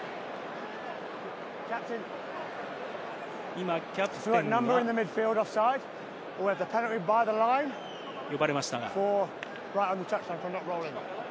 今キャプテンが呼ばれましたが。